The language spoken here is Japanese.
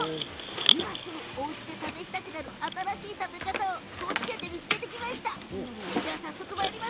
今すぐ、おうちで試したくなる新しい食べ方を高知県で見つけてきました。